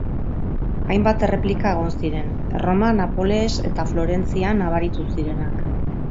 Hainbat erreplika egon ziren, Erroma, Napoles eta Florentzian nabaritu zirenak.